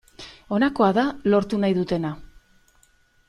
Honakoa da lortu nahi dutena.